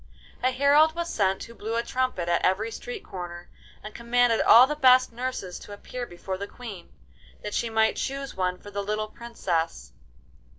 A herald was sent who blew a trumpet at every street corner, and commanded all the best nurses to appear before the Queen, that she might choose one for the little Princess.